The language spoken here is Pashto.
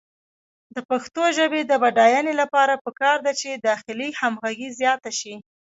د پښتو ژبې د بډاینې لپاره پکار ده چې داخلي همغږي زیاته شي.